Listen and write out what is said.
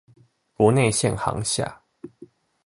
國內線航廈